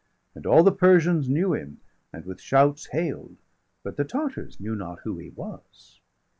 And all the Persians knew him, and with shouts Hail'd; but the Tartars knew not who he was.